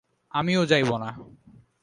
আমিও যাইব না।